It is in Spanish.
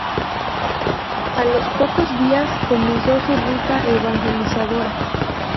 A los pocos días comenzó su ruta evangelizadora.